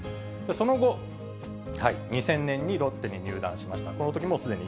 その後、２０００年にロッテに入団しました。